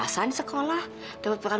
kesel sekalian berjalan